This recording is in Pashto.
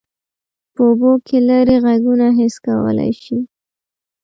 په اوبو کې لیرې غږونه حس کولی شي.